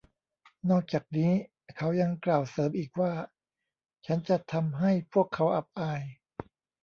นอกจากนี้เขายังกล่าวเสริมอีกว่า“ ฉันจะทำให้พวกเขาอับอาย”